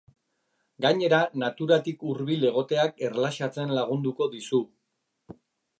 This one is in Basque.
Gainera, naturatik hurbil egoteak erlaxatzen lagunduko dizu.